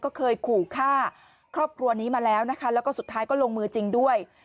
ก็เคยขู่ฆ่าครอบครัวนี้มาแล้วนะคะแล้วก็สุดท้ายก็ลงมือจริงด้วย